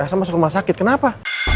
saya masuk rumah sakit kenapa